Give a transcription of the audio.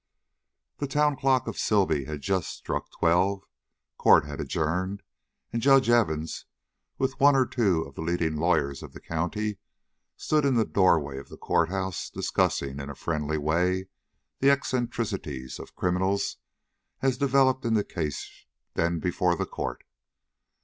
THE town clock of Sibley had just struck twelve. Court had adjourned, and Judge Evans, with one or two of the leading lawyers of the county, stood in the door way of the court house discussing in a friendly way the eccentricities of criminals as developed in the case then before the court.